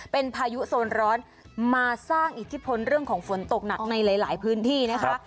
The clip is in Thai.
เป็นพายุโซนร้อนมาสร้างอิทธิพลเรื่องของฝนตกหนักในหลายพื้นที่นะคะ